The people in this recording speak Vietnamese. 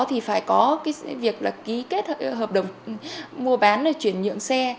thì phải có việc ký kết hợp đồng mua bán chuyển nhượng xe